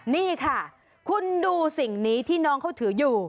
นี่ค่ะคุณดูสิ่งนี้ที่น้องเขาถืออยู่